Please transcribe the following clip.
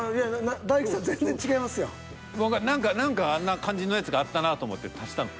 全然違ういやいや何かあんな感じのやつがあったなと思って足したの。